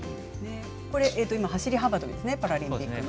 今、走り幅跳びですねパラリンピックの。